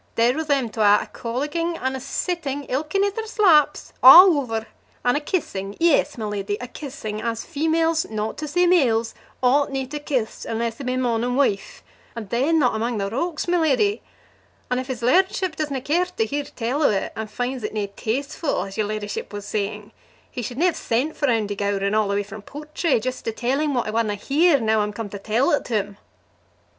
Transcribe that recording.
There were them twa, a' colloguing, and a seetting ilk in ither's laps a' o'er, and a keessing, yes, my leddy, a keessing as females, not to say males, ought nae to keess, unless they be mon and wife, and then not amang the rocks, my leddy; and if his lairdship does nae care to hear tell o' it, and finds it nae tastefu', as your leddyship was saying, he should nae ha' sent for Andy Gowran a' the way from Portray, jist to tell him what he wanna hear, now I'm come to tell't to him!"